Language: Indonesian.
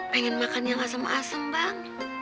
pengen makan yang asem asem bang